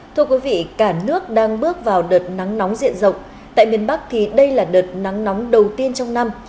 thưa quý vị cả nước đang bước vào đợt nắng nóng diện rộng tại miền bắc thì đây là đợt nắng nóng đầu tiên trong năm